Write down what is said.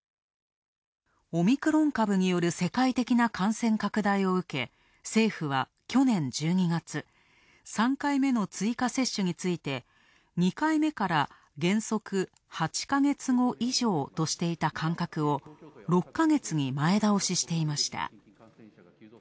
オミクロン株による世界的な感染拡大を受け政府は、去年１２月、３回目の追加接種について２回目から原則、８ヵ月後以上としていた間隔を６ヶ月に前倒ししていました。